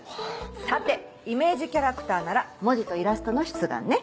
さてイメージキャラクターなら文字とイラストの出願ね。